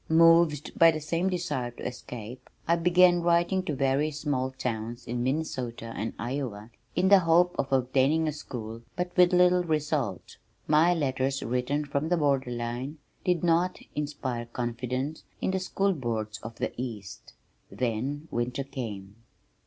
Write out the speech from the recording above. Moved by the same desire to escape, I began writing to various small towns in Minnesota and Iowa in the hope of obtaining a school, but with little result. My letters written from the border line did not inspire confidence in the School Boards of "the East." Then winter came.